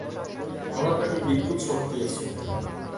আমরা তাকে বিদ্যুৎ শক দিয়েছি।